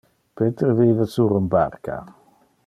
Peter vive sur un barca.